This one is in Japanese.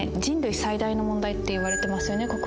人類最大の問題って言われてますよね